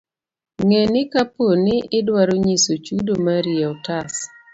Ng'e ni kapo ni idwaro nyiso chudo mari e otas.